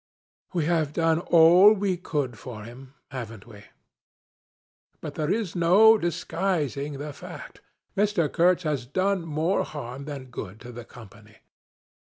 'We have done all we could for him haven't we? But there is no disguising the fact, Mr. Kurtz has done more harm than good to the Company.